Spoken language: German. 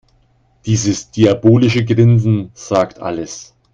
Dieses diabolische Grinsen sagt alles.